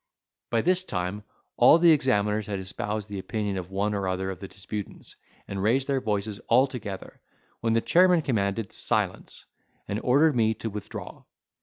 By this time, all the examiners had espoused the opinion of one or other of the disputants, and raised their voices altogether, when the chairman commanded silence, and ordered me to withdraw.